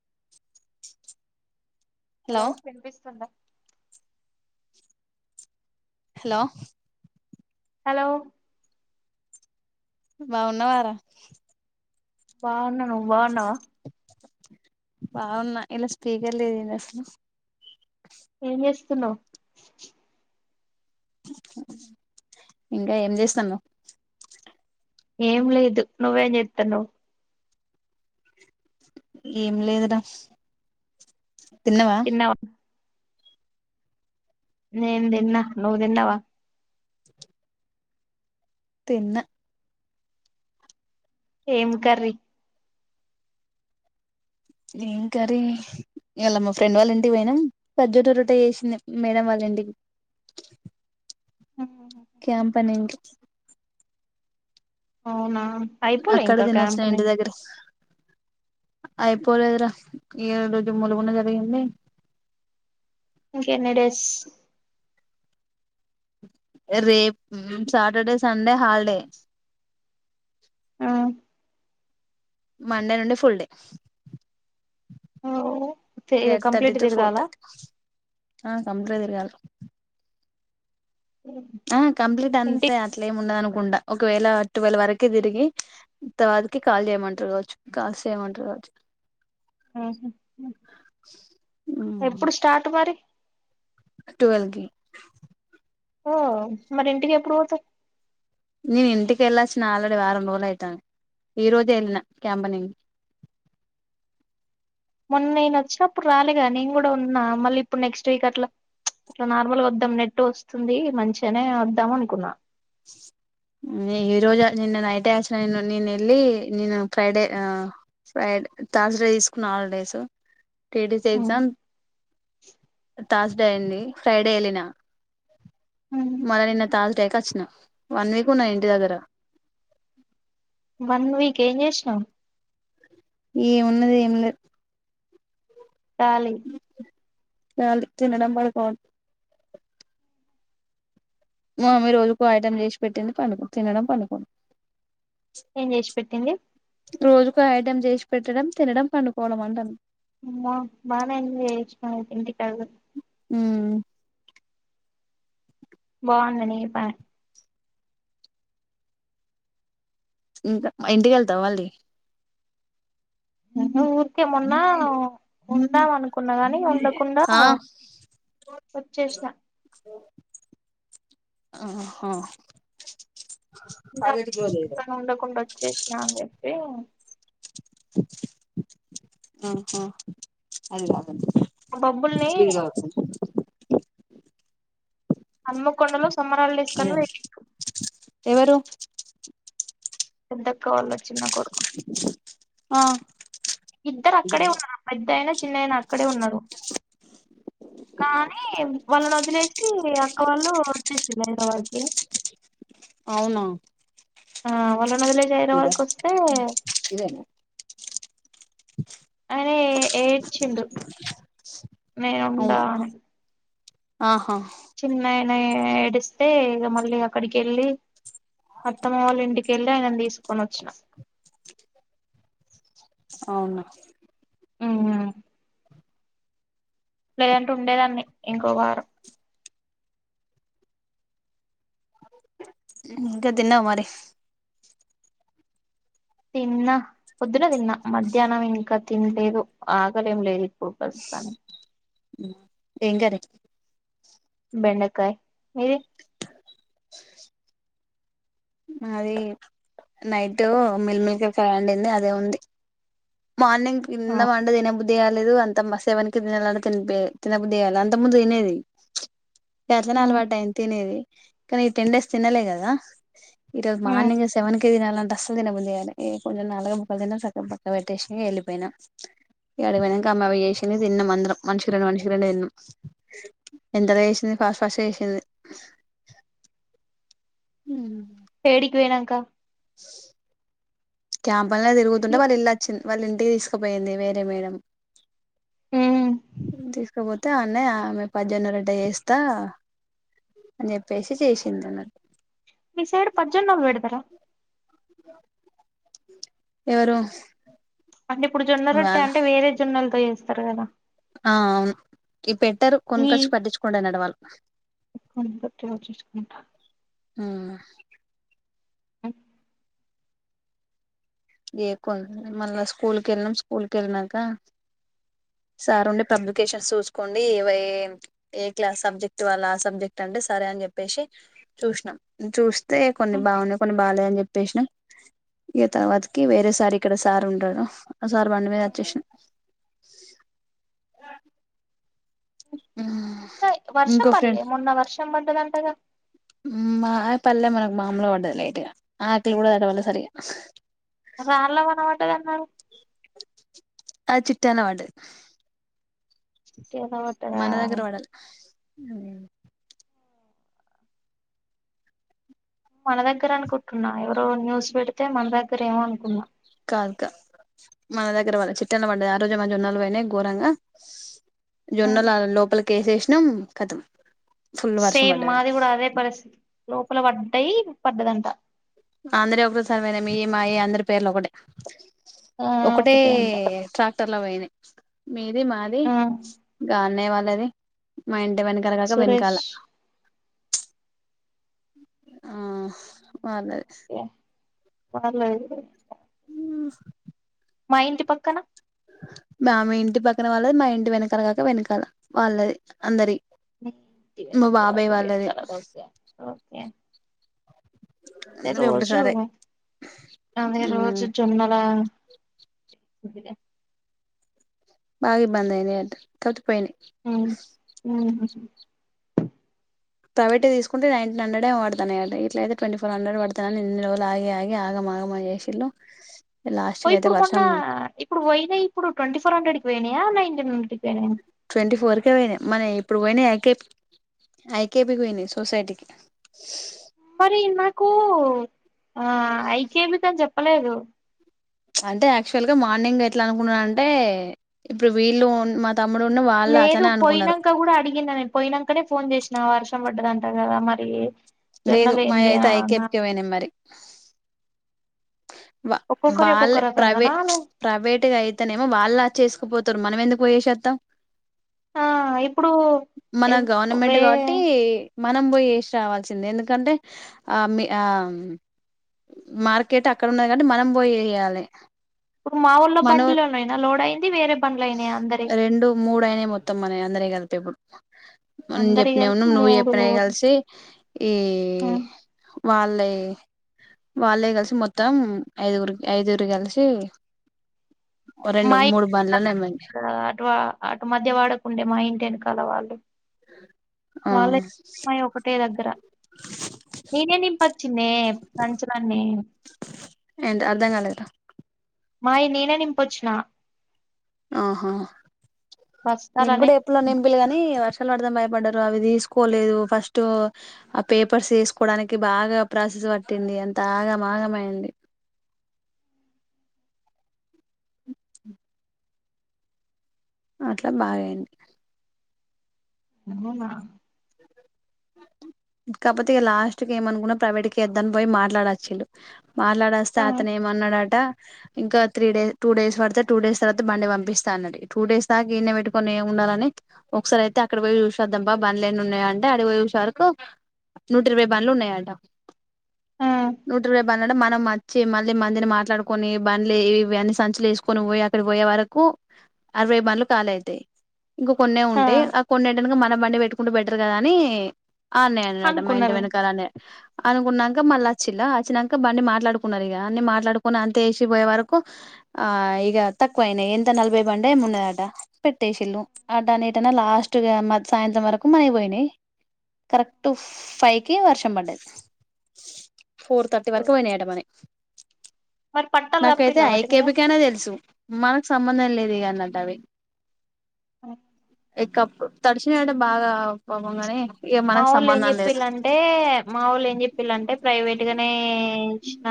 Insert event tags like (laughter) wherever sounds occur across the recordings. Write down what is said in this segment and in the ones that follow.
స్ హలో వినిపిస్తుందా hello hello బాగున్నవారా బాగున్నా నువు బాగున్నావా బాగున్నా ఇన్లా స్పీకర్ లేదు ఏంది అస్లు ఏం చేస్తున్నావ్ ఇంకా ఏం చేస్తానవు ఏం లేదు నువ్వేం చెతానవ్వు ఏం లేదురా తిన్నావా నేన్ తిన్న నువు తిన్నవ తిన్న ఏం కర్రీ ఏం కర్రి ఇయాలా మా ఫ్రెండ్ వాళ్ళ ఇంటికి పోయినా పద్దోట రొట్ట చేసింది క్యాంపనింటి అవునా అయిపోలే అక్కడ ఇంకా తిన్నొచ్చిన క్యాంప్ ని ఇంటి దగ్గర అయిపోలేదు రా ఈ రోజు మూలుగున్న జరిగింది ఇంక ఎన్ని డేస్ రే సాటర్డే సండే హాలిడే ఆ మండే నుండి ఫుల్డే తే ఎట్ తటి కంప్లీట్ టు ఫోర్ తిరగాల తటి కంప్ యల ఆ కంప్లీట్ ఇంటి అంతే అట్లామి ఉండదు అనుకో కుండా ఒకవేళ టువల్ వరకు తిరిగి తర్వాతకి కాల్ చేయమంటారు కావచ్చు కాల్స్ చేయమంటారు కావచ్చు ఆ ఉ ఎప్పుడు సార్ట్ మరి ట్వుల్వ్కి ఓ మరి ఇంటికి ఎప్పుడు పోతారు నేను ఇంటికి వెళ్ళాలచిన ఆల్రెడీ వారం రోజులు అవుతాంది ఈ రోజు వెళ్ళిన క్యాంపనీనకి ఆ మొన్న నేను వచ్చినప్పుడు రాలేగా నేను కూడా ఉన్నా మళ్ళీ ఇప్పుడు నెక్స్ట్ వీక్ అట్లా ఇట్లా నార్మల్గా వద్దాం నెట్ వస్తుంది మంచిగానే వద్దాం అనుకున్నా స్ ఈ రోజు నిన్న నైటే అచ్చిన నిన్న నినేళ్ళి నిను ఫ్రైడే ఆ ఫ్రైడ్ తర్డ్స్ డే తీసుకున్న హాలిడేస్ టీటిసి ఉమ్. ఎగ్జామ్ థాస్డే అయింది ఫ్రైడే వెళ్ళిన మల్ల నిన్న తర్స్ డే కచ్చిన వన్ వీక్ ఉన్నా ఇంటి దగ్గర వన్ వీక్ ఎం చేసినవ్ ఎం ఉన్నది ఎం లేద్ కలి కాలి తిన్నడంబడుకో మామ్మి రోజుకో ఐటం చేసి పెట్టింది పండు తినడం పండుకోడం ఏం చేసి పెెట్టింది కో ఐటమ్ చేసి పెట్టడం తినడం పండుకోవడం అంటన్ అమ్మ బాగానే ఎంజాయ్ చేసినవ్ అయితే ఇంటి కాడికి పో మ్ బాగుంది నీ పనే ఇంకా ఇంటికేళ్తావ మళ్ళీ నువ్ ఊరుకే మెున్న ఉందమన్ కున్నా గని ఉండకుండా ఆ ఒచ్చేసిన ఆహ కాాలటి చేసిన అని చెప్పి అహ ఆ డబ్బుల్ని హన్మకొండలో సమ్మర్ హాలీడ్స్ కానీ అదేనా పెట్టిండ్రు ఎవరు పెద్దక్క వాళ్ళ చిన్న కొడుకు ఆ ఇద్దరు ఇది అక్కడే కాదు ఉన్నారు పెద్ద అయినా చినైనా అక్కడే ఉన్నారు కానీ వాళ్ళని వదిలేసి అక్క వాళ్ళు వచ్చేసిళ్ళు హైదరాబాద్ కి అవునా ఆ వాళ్ళని వదిలేసి ఇద హైదరాబాద్కి వస్తే ఇదేనా అయినే ఏ ఏడ్చిండు నేను ఉండ అవును అని ఆహా చినైనే ఏడిస్తే ఇగ మళ్ళీ అక్కడికేళ్ళి అత్తమ్మ వాళ్ళ ఇంటికెళ్ళి ఆయనను తీసుకొనోచ్చిన అవున మ్ లేదంటే ఉండేదాన్ని ఇంకో వారం ఇంకా తిన్నవ మరి న్న పొద్దున తిన్న మధ్యాహ్నం ఇంకా తినలేదు ఆకలేం లేదు ఇప్పుడు ప్రస్తుతానికి మ్ ఏం కరి బెండకాయ్ మీది మది నైట్ మిల్మిల్క కరి వండింది అదే ఉంది మార్నింగ్ తిందమంటే తిన్నబుద్ది కట్ ట్లేదు అంత మ సేవన్కి తినాలంటే తిన్పె తినబుద్ది కాలే అంత ముందు తినేది ఎట్టనో ఉమ్ అలవాటయింది తినేది. కానీ ఈ టెన్ డేస్ తినలే కదా. ఈరోజు ఉమ్ మార్నింగ్ సెవన్ కి దినాలంటె అస్సలు తినబుద్ధి కాలే. ఏ కొంచెం నాలుగు ముక్కలు తిన్న సక్కగ పక్కకి పెట్టేసినా. ఇంగ ఎళ్ళిపోయినా. ఇక ఆడ పోయినంక అమ్మ చేసింది తిన్నాం అందరం. మనిషికి రెండు మనిషికి రెండు తిన్నాం. ఎంతగా చేసింది, ఫాస్ట్ ఫాస్ట్ గ చేసింది. మ్ ఏడికి పోయినంక? క్యాంపలా తిరుగుతుంటే వాళ్ ఇల్లోచ్చింది. వాళ్ ఇన్ తీసుకపోయింది వేరే మేడం. ఉమ్ తీసుకోపోతే అన్నే ఆమె పజన్నరోట్ట చేస్తా అని చెప్పేసి చేసింది అన్నట్టు. వి సైడ్ పజొన్నల్ పెడతారా? ఎవరు అంటే ఇప్పుడు జొన్న రొట్టే వాళ్ళ అంటే వేరే జొన్నలతో చేస్తారు కదా! ఆ అవును. ఈ పెట్టరు. ఈ కొనుకొచ్చి పట్టించుకోండెనంట వాళ్ళు. చూసుకొని గట్టిగా చూసుకుంటా మ్ అ ఏ కొన్ మళ్ళా స్కూల్ కెళ్ళినం. స్కూల్ కెళ్ళినాక సార్ ఉండి పబ్లికేషన్స్ చూసుకోండి. ఏవ ఏ క్లాస్ సబ్జెక్ట్ అలా సబ్జెక్ట్ అ టె సరే అని చెప్పేసి, చూసినం. చూస్ తె కొన్ని బాగున్నాయి కొన్ని బాగలే అని చెప్పేసినమ్. ఇగ తర్వాత కి వేరే సార్ ఇక్కడ సార్ ఉంటారు. ఆ సార్ బండి మీద వచ్చేసిన. ఆ హై వర్షం ఇంకో పడలే, ఫ్రెండ్ మొన్న వర్షం పడ్డదంటగా? మా పల్లె. మనకి మామలు గా పడ్డది లేయిట్గా. ఆకులుకూడ తడవలే సరిగ. రాళ్ల వాన పడ్డదన్నారు? అ చిట్టాన పడ్డది. ఏదో పడ్డదా మన దగ్గర పడలే. మ్ మన దగ్గర అనుకుటున్నా. ఎవరో న్యూస్ పెడితే మన దగ్గరేమో అనుకున్నా. కాదుకా మన దగ్గర పల్లె చిట్టాన పడ్డది. ఆ రోజె మా జొన్నలు పోయినాయి ఘోరంగా. జొన్నల్ ఆ లోపలికేసేసినాం. కథం. సేమ్ మాది కూడ అదే పరిస్థితి. లోపల పడ్డయి పడ్డదంట. అందరివి ఒకే సారి పోయినాయి. మీయి మాయి అందరి పేర్లు ఒకటే. ఆ ఒకటే అంట ట్రాక్టర్ లో పోయినాయి. మీది మాది ఆ గాని అన్నయ వాళ్ళది. మా ఇంటి వెనకాల కాక, వెనకాల. సురేష్ ఆ వాళ్ళది యా వాళ్లది కూడా మా ఇంటి పక్కన మా మీ ఇంటి పక్కన వాళ్ళది, మా ఇంటి వెనకాల కాక వెనకాల వాళ్ళది అందరియి మీ ఇంటి వెనకాల కాక వెనకాల. ఓకె. ఓకె. అదే అందరి రోజు ఒకటేసారే అదే రోజు జొన్నల బుద్దిలె బాగిబ్బందైనాయంట కాపోతే పోయినాయి మ్. మ్ ప్రైవేటగ తీసుకుంటే, నైన్టీన్ హండ్రెడ్ ఏమో పడతన్నాయంట. ఇట్లయితే ట్వంటీ ఫోర్ హండ్రెడ్ పడతాయని, ఇన్ని రోజులు ఆగి, ఆగి, ఆగం మాగమ చేసిళ్ళు. లాస్ట్ ఓ కి అయితే ఇప్పుడు మొన్న వర్షం ఇప్పుడు పోయినా, ఇప్పుడు ట్వంటీ ఫోర్ హండ్రెడ్ కి పోయినాయా? నైన్టీన్ హండ్రెడ్ కి పోయినాయా? ట్వంటీ ఫోర్కే పోయినాయి. మన ఇప్పుడు పోయినాయ కే ఐ కే పి కి పోయినయ్ సొసైటీకి కూ ఆ ఐ కే పి కని చెప్పలేదు అంటే యాక్చువల్ గ మార్నింగ్ ఎట్లనుకున్నానంటే ఇప్పుడు వీళ్ళు మన్ లేదు పోయినంక గూడా అడిగిన నేను, పోయినంకనే ఫోన్ జేసినా వర్షం పడ్డదని అంట కదా మరీ లేదు మాయయితే ఐ కే పి కే పోయినయ్ మరి వా ఒక్కొక్కరి వాళ్ళ ఒక్కొక్క ప్రైవే రకంగానా మ్చ్ ప్రైవేట్గ అయితేనేమో వాళ్ళచ్చేసుకోపోత్ తరు మనమెందుకు పోయేషత్తం ఆ ఇప్పుడు మన గవర్నమెంట్ వే గాబట్టి మనం బోయి ఏసి రావాల్సిందే, ఎందుకంటే ఆ మి ఆ మార్క్ కెట్ అక్కడున్నది గాబట్టి మనం బోయి ఏయాలి ప్పుడు మా వోళ్ల బండ్లో నేనా లోడ్ అయిన్ రెండు, మూడయినయ్ మొత్తం మనయ్ అందరయి కలిపి ఇప్పుడు న్ అందరి చెప్పినయును కలిపి నువ్వు మూడు చెప్పినయి లోడ్లు కలిసి ఈ వాళ్ళే వాళ్ళే కలిసి మొత్తం ఐదుగురికి ఐదుగురు గలిసి ఒ రెండు మూడు బండ్లను ఎమ్ ఆ అటు వా అటు మధ్య వాడకుండే మా ఇంటి ఎనకాల వాళ్ళు వాళ్ళయును మాయి ఒకటే దగ్గర నేనే నింపచ్చిన్నే సంంచులన్నీ ఏంద్ అర్థం గాలెదురా మాయి నేనే నింపొచ్చిన ఆహా మేం బస్తాలనే గుడ ఎప్పుడో నింపిల్లు గనీ వర్షాలు పడ్ మ్ భయపడ్డరు అవి దీస్కోలేదు ఫస్ట్ ఆ పేపర్స్ తీస్కోడానికి బాగా ప్రాసెస్ పట్టింది అంత ఆగమాగమైంది అ అట్ల బాగైంది అవునా కాపోతే ఇగ లాస్ట్ కి ఏమనుకున్న ప్రైవేట్ కియద్దని పోయి మాట్లాడచ్చిల్లు మాట్లాడస్తే ఆ అతను ఏమన్నడటా ఇంక త్రీ, డేస్ టూ డేస్ పడ్తది టూ డేస్ తర్వాత బండి పంపిస్త అన్నడు టూ డేస్ దాకా ఇన్నె పెట్టుకొని ఏమ్ డాలని ఒకసారయితే అక్కడ బోయి చూసోద్దాం బా బండ్ల్ లెన్నున్నాయాంటె ఆడికిబోయి చూసే వార్కు నూట ఇరవై బండ్లు ఉన్నయట. ఆ నూటిరవై బన్ టే మనమచ్చి మళ్ళీ మందిని మాట్లాడుకొని బండ్లే వి అని సంచిలేసుకొని బోయి అక్కడ బోయే వరకు అరవై బండ్లు కాలి అయితయి ఇంక కొన్నే ఉంటయి ఆ కొన్నీటెనక మన బండి పెట్టుకుంటే బెటర్ కదా అని ఆ అన్నయన్నడట మా ఇంటి అనుకున్నారు వెనకాలన్నయ, అనుకున్నాంక మళ్ళచ్చిళ్ళ అచ్ వచ్చినాక బండి మాట్లాడుకున్నారు ఇక అన్ని మాట్లాడుకుని అంతే వేసి పోయే వరకు ఆ ఇగ తక్కువ ఎంత నలభై బండే (unintelligible) పెట్టేసి ఇల్లు ఆటా నటన్న లాస్ట్గా సాయంత్రం వరకు కు అయిపోయినాయి కరెక్ట్ ఫైవ్ కి వర్షం పడ్డది ఫోర్ తర్టీ వరకు పోయిన అట మనే మరి పట్టాలు నాకైతే కప్పిలా వాటి మీద ఐకేబికనే తెలుసు మ సంబంధం లేదు (unintelligible) అవి తడిచిన (unintelligible) బాగ (unintelligible) మా ఓల్లు ఏం చెప్పిళంటే మా ఓళ్ళు ఏం చెప్పిళంటే ప్రైవేట్ గానే ఇచ్చిన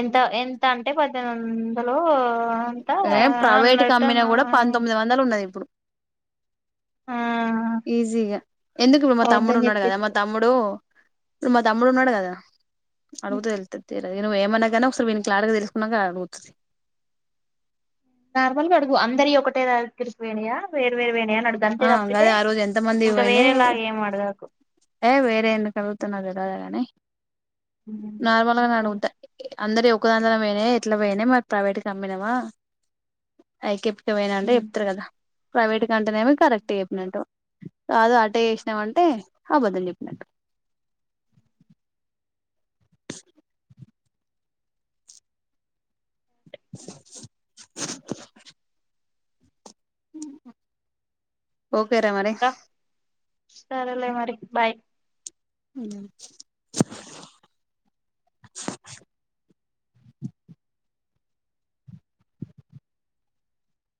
ఎంత ఎంత అంటే పద్దెనిమిది వందలు అంతా ఆ ఏ ప్రైవేట్ అన్నటు కంపెనీ కూడా పంతొమ్మిది వందలు ఉన్నది ఇప్పుడు ఆ ఈజీగా ఎందుకు ఇప్పుడు మా తమ్ముడు అవద్దని ఉన్నాడు కదా చెప్పింది మా తమ్ముడు మ తమ్ముడు వున్నాడు కదా అడుగుతే నువ్వు ఏమన్నాగానే ఒకసారి వీ (unintelligible) తెలుసుకున్నాక అడుగుతుంది నార్మల్గ అడుగు అందరియి ఒకటే దగ్గరికి పోయినయా వేర్ వేరు పోయినయనడుగు గంతే ఆ తప్పితే గదే ఆ రోజు ఎంత మంది ఇంక పోయినయి వేరేలాగ ఏం అడగకు ఏ వేరే ఎందుకడుగుత నాక్ దెల్వదా గనీ మ అందరి ఒకదన్లో పోయినాయి ఎట్ల పోయినాయి మావి అమ్మినామ (unintelligible) ఏమైనా అంటే చెప్తారు కదా ప్రైవేట్ కంటేనేమి కరెక్ట్ చెప్పినట్టు కాదు అట్టే చేసినావంటే (unintelligible) ఓకే రా మరి ఇంకా సరేలే మరి బాయ్ అవు